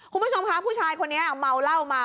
คุณผู้ชมคะผู้ชายคนนี้เมาเหล้ามา